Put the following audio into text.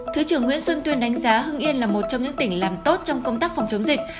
thứ trưởng nguyễn xuân tuyên đánh giá hưng yên là một trong những tỉnh làm tốt trong công tác phòng chống dịch